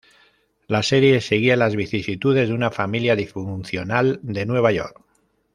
La serie seguía las vicisitudes de una familia disfuncional de Nueva York.